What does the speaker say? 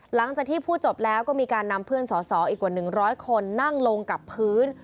หลังจากที่พูดจบแล้วก็มีการนำเพื่อนสอสออีกกว่า๑๐๐คนนั่งลงกับพื้น